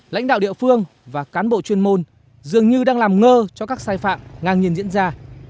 lãnh đạo địa phương và cán bộ chuyên môn dường như đang làm ngơ cho các sai phạm ngang nhiên diễn ra